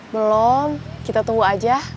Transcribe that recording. belum kita tunggu aja